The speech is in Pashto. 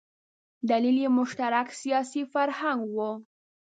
دلیل یې مشترک سیاسي فرهنګ و.